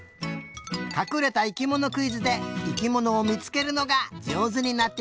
かくれた生きものクイズで生きものをみつけるのがじょうずになってきたね！